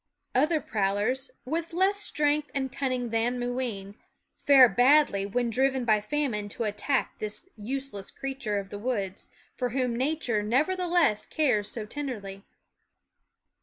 Other prowlers, with less strength and cunning than Mooween, fare badly when driven by famine to attack this useless crea ture of the woods, for whom Nature neverthe less cares so tenderly.